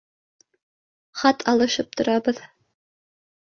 Хат алышып торабыҙ.